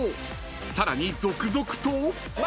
［さらに続々と］